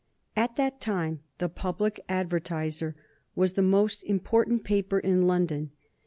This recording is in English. At that time the Public Advertiser was the most important paper in London.